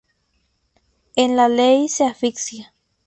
En la ley se asfixia.